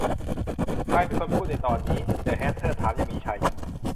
'ใครเป็นคนพูดในตอนนี้ ?' เดอะแฮทเทอร์ถามอย่างมีชัย